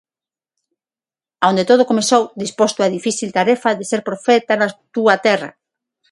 A onde todo comezou, disposto á difícil tarefa de ser profeta na túa terra.